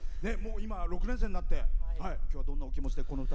今、６年生になってどんなお気持ちでこの歌。